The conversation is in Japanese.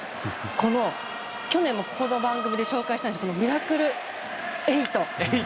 去年もこの番組で紹介したんですけどミラクルエイト。